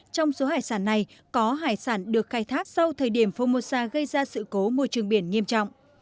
trong số hải sản này có hải sản được khai thác sau thời điểm formosa gây ra sự cố môi trường biển nghiêm trọng